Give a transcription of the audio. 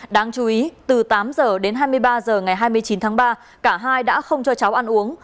đáng chú ý từ tám h đến hai mươi ba h ngày hai mươi chín tháng ba cả hai đã không cho cháu ăn uống